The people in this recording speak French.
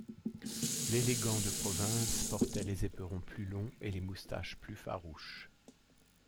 L’élégant de province portait les éperons plus longs et les moustaches plus farouches.